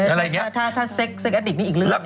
อะไรอย่างเงี้ย